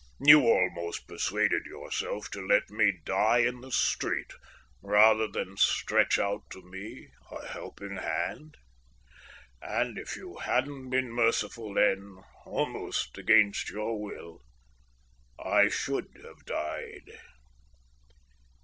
You almost persuaded yourself to let me die in the street rather than stretch out to me a helping hand. And if you hadn't been merciful then, almost against your will, I should have died."